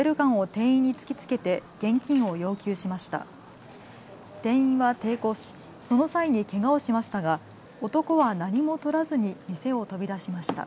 店員は抵抗し、その際にけがをしましたが男は何もとらずに店を飛び出しました。